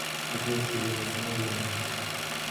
Tú crees que Dios es uno; bien haces.